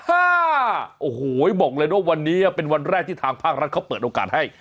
โอ้โหบอกเลยว่าวันนี้เป็นวันแรกที่ทางภาครัฐเขาเปิดโอกาสให้